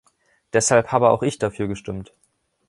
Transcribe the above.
Deshalb habe auch ich dafür gestimmt.